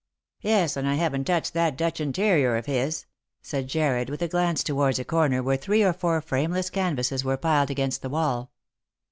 "Yes, and I haven't touched that Dutch interior of his," said Jarred, with a glance towards a corner where three or four frameless canvases were piled against the wall.